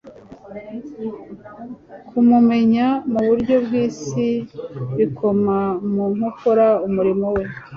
Kumumenya mu buryo bw'isi bikoma mu nkokora umurimo we.